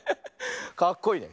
かっこいいね。